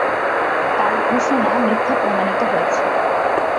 তার ঘোষণা মিথ্যা প্রমাণিত হয়েছে।